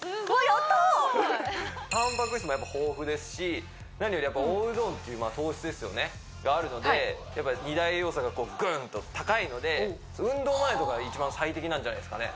タンパク質もやっぱ豊富ですし何よりおうどんという糖質ですよねがあるので二大栄養素がグンッと高いので運動前とかに一番最適なんじゃないですかね